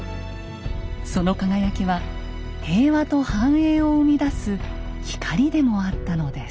その輝きは平和と繁栄を生み出す光でもあったのです。